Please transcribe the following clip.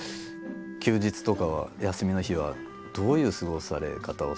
休日とかは休みの日はどういう過ごされ方をされてるんですか？